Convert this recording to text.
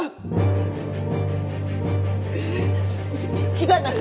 違います。